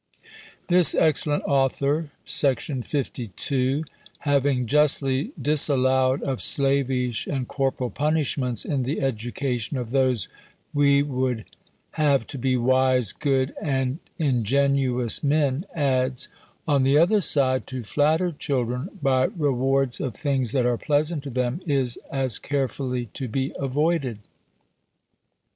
This excellent author (Section 52), having justly disallowed of slavish and corporal punishments in the education of those we would have to be wise, good, and ingenuous men, adds, "On the other side, to flatter children by rewards of things that are pleasant to them, is as carefully to be avoided.